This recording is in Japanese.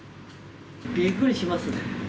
びっくりしますね。